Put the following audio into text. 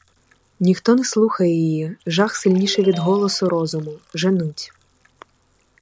Ніхто не слухає її, жах сильніший від голосу розуму — женуть.